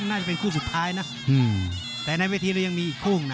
น่าจะเป็นคู่สุดท้ายน่ะอืมแต่ในวิทีย์เรายังมีอีกคู่หนึ่งน่ะ